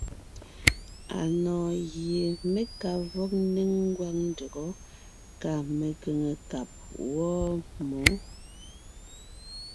Anɔ̀ɔn gie mé ka vɔg ńnéŋ ngwáŋ ndÿɔgɔ́ kà mekʉ̀ŋekab wɔ́ɔ mǒ.